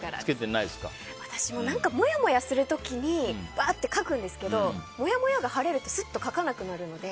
私も何かモヤモヤする時に書くんですけどもやもやが晴れるとすっと書かなくなるので。